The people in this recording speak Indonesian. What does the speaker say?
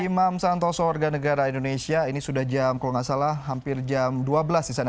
imam santoso warga negara indonesia ini sudah jam kalau nggak salah hampir jam dua belas di sana